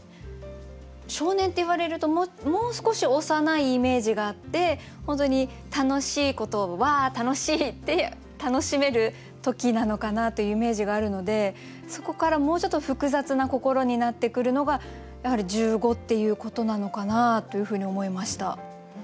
少年っていわれるともう少し幼いイメージがあって本当に楽しいことを「わあ！楽しい！」って楽しめる時なのかなというイメージがあるのでそこからもうちょっと複雑な心になってくるのがやはり「十五」っていうことなのかなというふうに思いました。